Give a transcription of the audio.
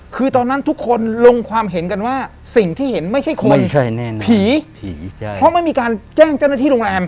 คือตอนนั้นทุกคนลงความเห็นกันว่าสิ่งที่เห็นไม่ใช่คนผีผีเพราะไม่มีการแจ้งเจ้าหน้าที่โรงแรม